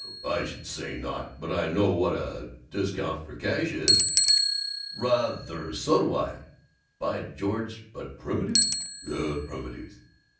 I should say not! But I know what a discount for cash is." "Rather! So do I, by George! But primitives!" "Yuh! Primitives!"